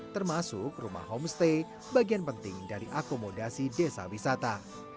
termasuk rumah homestay bagian penting dari akomodasi desa wisata